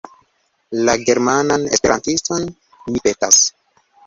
La »Germanan Esperantiston« mi petas.